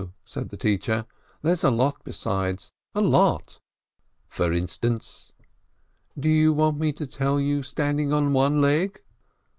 said the teacher, "there's a lot besides — a lot!" "For instance?" "Do you want me to tell you standing on one leg